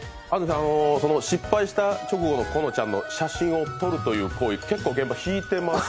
失敗した直後のこのちゃんの写真を撮るという行動結構現場、引いてます。